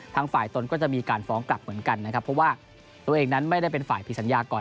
ทางฝ่ายตนก็จะมีการฟ้องกลับเหมือนกันนะครับเพราะว่าตัวเองนั้นไม่ได้เป็นฝ่ายผิดสัญญาก่อน